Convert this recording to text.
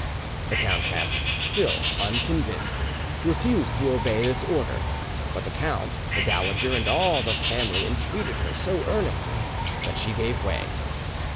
The countess, still unconvinced, refused to obey this order; but the count, the dowager, and all the family entreated her so earnestly that she gave way.